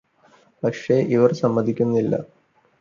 "പക്ഷേ, ഇവർ സമ്മതിക്കുന്നില്ല’’